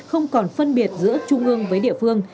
không còn phân biệt giữa trung ương với địa phương